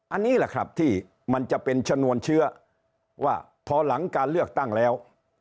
อันนี้แหละครับที่มันจะเป็นชนวนเชื้อว่าพอหลังการเลือกตั้งแล้ว